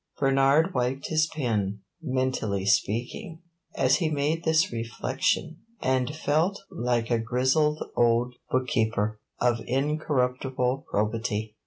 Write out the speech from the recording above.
Bernard wiped his pen, mentally speaking, as he made this reflection, and felt like a grizzled old book keeper, of incorruptible probity.